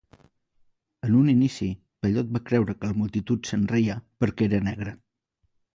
En un inici, Pellot va creure que la multitud se'n reia perquè era negre.